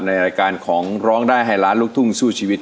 ในรายการของร้องได้ให้ล้านลูกทุ่งสู้ชีวิต